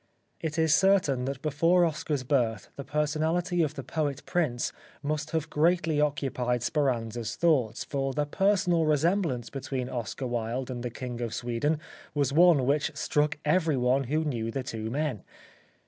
It is certain that before Oscar's birth the personality of the poet prince must have greatly occupied Speranza's thoughts for the personal resemblance between Oscar Wilde and the King of Sweden was one which struck everyone who knew the two men.